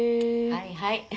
はいはい。